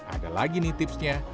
ada lagi nih tipsnya